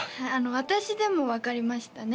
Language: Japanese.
私でも分かりましたね